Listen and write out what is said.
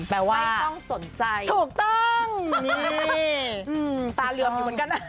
ไม่ต้องสนใจนี่ตราเหลือผิวเหมือนกันนะ